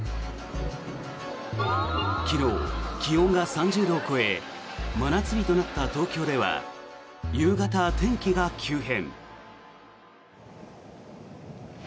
昨日、気温が３０度を超え真夏日となった東京では夕方、天気が急変。